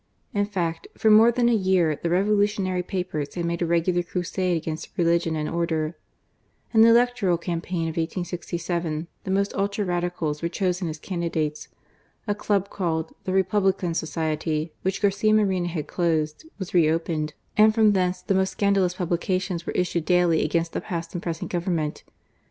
In fact, for more than a year the revolutionary papers had made a regular crusade against religion and order. In the electoral campaign of 1867, the most ultra Radicals were chosen as candidates. A club called " The Republican Society," which Garcia Moreno had closed, was re opened, and from thence the most scandalous publications were issued daily against the past and present Government.